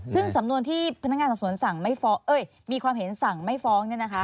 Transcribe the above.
ซึ่งสำนวนที่พนักงานสอบสวนสั่งมีความเห็นสั่งไม่ฟ้องเนี่ยนะคะ